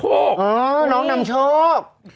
อ๋อน้องนำโชค